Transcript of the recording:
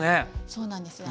そうなんですよ。